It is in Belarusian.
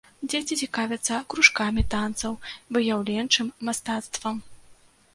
Дзеці цікавяцца кружкамі танцаў, выяўленчым мастацтвам.